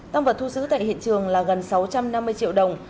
tăng vật thu giữ tại hiện trường là gần sáu trăm năm mươi triệu đồng